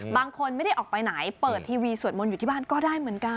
บางคนไม่ได้ออกไปไหนเปิดทีวีสวดมนต์อยู่ที่บ้านก็ได้เหมือนกัน